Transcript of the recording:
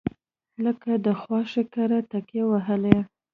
لکه د خواښې کره تکیه وهلې.